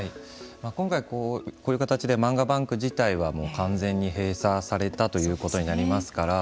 今回、こういう形で漫画ＢＡＮＫ自体は完全に閉鎖されたということになりますから。